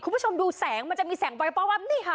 คุณผู้ชมดูแสงมันจะมีแสงไวนี่ค่ะ